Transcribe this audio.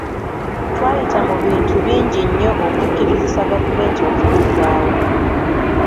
Twayita mu bintu bingi nnyo okukkirizisa gavumenti okutuzzaawo.